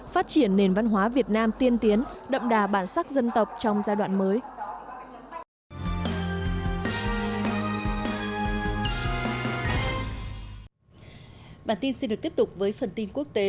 phát triển nền văn hóa việt nam tiên tiến đậm đà bản sắc dân tộc trong giai đoạn mới